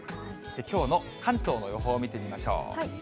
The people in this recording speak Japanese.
きょうの関東の予報を見てみましょう。